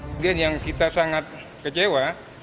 mungkin yang kita sangat kecewa